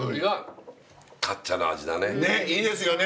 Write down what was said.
ねいいですよね。